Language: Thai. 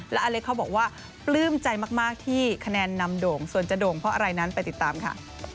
และอเล็กเขาบอกว่าปลื้มใจมากที่คะแนนนำโด่งส่วนจะโด่งเพราะอะไรนั้นไปติดตามค่ะ